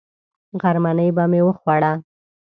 غرمنۍ به مې وخوړه.